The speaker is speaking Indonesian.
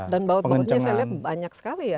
dan baut bautnya saya lihat banyak sekali ya